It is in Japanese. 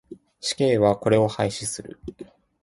死刑はこれを廃止する。